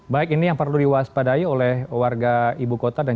baik ini yang perlu diwaspadai oleh warga ibu kota